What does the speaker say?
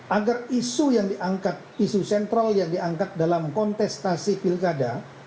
agar isu yang diangkat isu sentral yang diangkat dalam kontestasi pilkada